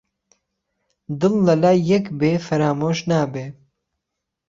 دڵ لە لای یەک بێ فەرامۆش نابێ